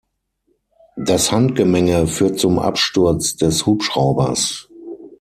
Das Handgemenge führt zum Absturz des Hubschraubers.